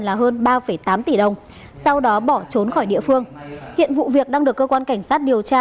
là hơn ba tám tỷ đồng sau đó bỏ trốn khỏi địa phương hiện vụ việc đang được cơ quan cảnh sát điều tra